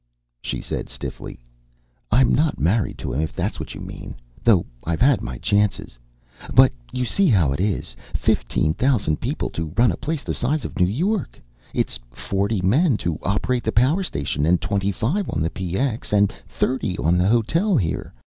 She said stiffly: "I'm not married to him, if that's what you mean. Though I've had my chances.... But you see how it is. Fifteen thousand people to run a place the size of New York! It's forty men to operate the power station, and twenty five on the PX, and thirty on the hotel here.